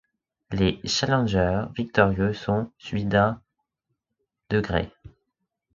Les challengers victorieux sont suivis d’un °.